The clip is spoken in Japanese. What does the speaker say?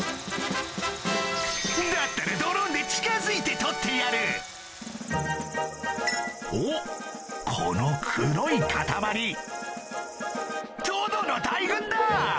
だったらドローンで近づいて撮ってやるおっこの黒い固まりトドの大群だ！